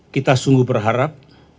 kita sungguh berharap